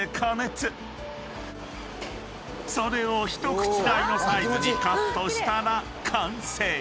［それを一口大のサイズにカットしたら完成］